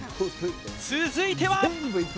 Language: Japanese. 続いては！